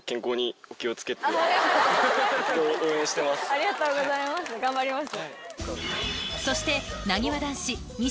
ありがとうございます頑張ります。